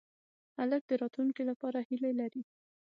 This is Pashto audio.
هلک د راتلونکې لپاره هیلې لري.